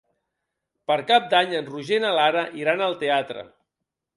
Per Cap d'Any en Roger i na Lara iran al teatre.